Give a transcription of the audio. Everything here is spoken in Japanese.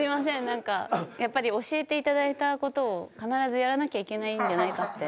何かやっぱり教えていただいた事を必ずやらなきゃいけないんじゃないかって。